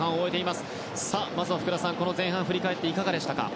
まずは福田さんこの前半を振り返っていかがでしたか？